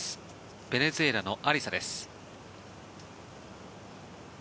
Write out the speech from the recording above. ベネズエラのアリサです。